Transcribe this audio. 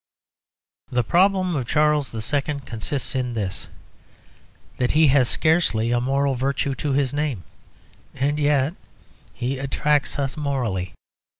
The problem of Charles II. consists in this, that he has scarcely a moral virtue to his name, and yet he attracts us morally.